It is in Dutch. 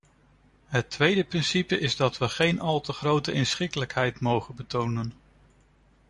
Het tweede principe is dat we geen al te grote inschikkelijkheid mogen betonen.